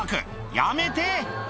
やめて。